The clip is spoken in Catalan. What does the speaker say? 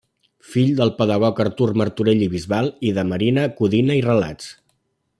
Fill del pedagog Artur Martorell i Bisbal i de Marina Codina i Relats.